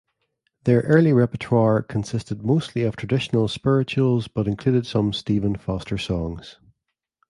Their early repertoire consisted mostly of traditional spirituals, but included some Stephen Foster songs.